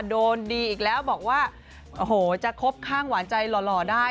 โดนดีอีกแล้วบอกว่าโอ้โหจะครบข้างหวานใจหล่อได้